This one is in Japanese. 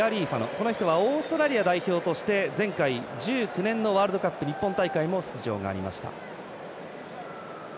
この人はオーストラリア代表として１９年前回のワールドカップ出場もありました。